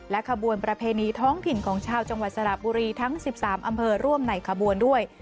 ขบวนประเพณีท้องถิ่นของชาวจังหวัดสระบุรีทั้ง๑๓อำเภอร่วมในขบวนด้วย